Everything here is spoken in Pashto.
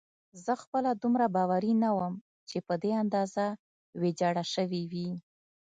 زه خپله دومره باوري نه وم چې په دې اندازه ویجاړه شوې وي.